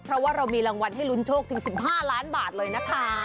เพราะว่าเรามีรางวัลให้ลุ้นโชคถึง๑๕ล้านบาทเลยนะคะ